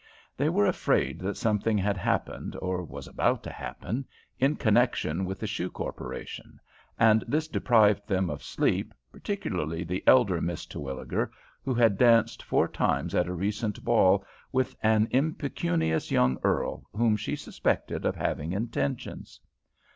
They were afraid that something had happened, or was about to happen, in connection with the shoe corporation; and this deprived them of sleep, particularly the elder Miss Terwilliger, who had danced four times at a recent ball with an impecunious young earl, whom she suspected of having intentions.